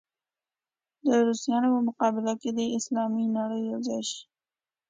د روسانو په مقابل کې دې اسلامي نړۍ یو ځای شي.